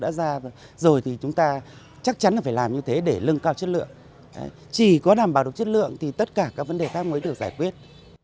đã ra rồi thì chúng ta chắc chắn là phải làm như thế để lưng cao chất lượng chỉ có đảm bảo được chất lượng thì tất cả các vấn đề khác mới được giải quyết